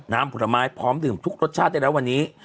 ผลไม้พร้อมดื่มทุกรสชาติได้แล้ววันนี้